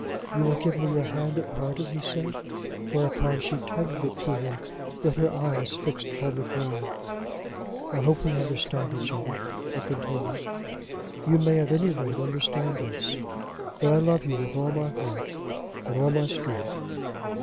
"You will give me your hand at parting," he said, whereupon she tendered it to him with her eyes fixed upon the ground. "I hope we understand each other," he continued. "You may at any rate understand this, that I love you with all my heart and all my strength.